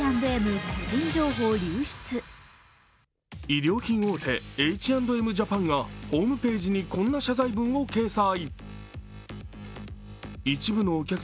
衣料品大手、Ｈ＆ＭＪａｐａｎがホームページにこんな謝罪文を掲載。